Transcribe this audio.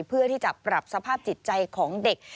เพื่อที่จะปรับสภาพจิตใจของเด็ก